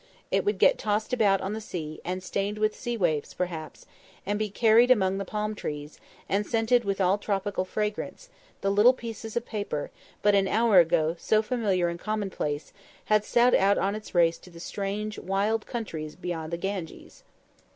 It would get tossed about on the sea, and stained with sea waves perhaps, and be carried among palm trees, and scented with all tropical fragrance; the little piece of paper, but an hour ago so familiar and commonplace, had set out on its race to the strange wild countries beyond the Ganges!